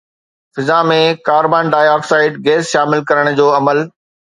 فضا ۾ carbon dioxide gas شامل ڪرڻ جو عمل